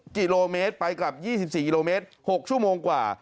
กิโลเมตรไปกลับ๒๔กิโลเมตร๖ชั่วโมงกว่า